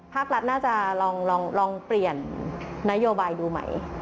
ภาครัฐน่าจะลองเปลี่ยนนโยบายดูใหม่